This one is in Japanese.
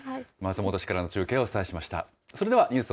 松本市からの中継をお伝えしました。